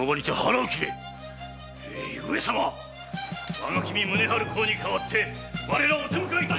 我が君・宗春公に代わり我らお手向かいいたしますぞ！